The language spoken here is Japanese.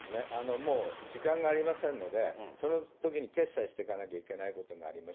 もう、時間がありませんので、そのときに決裁していかなきゃいけないこともあります。